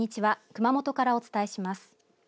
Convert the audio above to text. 熊本からお伝えします。